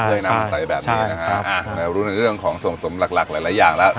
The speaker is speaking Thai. เพื่อให้น้ำมันใสแบบนี้นะฮะอ่าแล้วรู้ในเรื่องของส่วนสมหลักหลักหลายหลายอย่างแล้ว